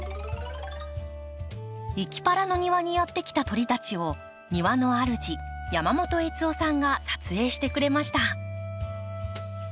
いきパラの庭にやって来た鳥たちを庭の主山本悦雄さんが撮影してくれました。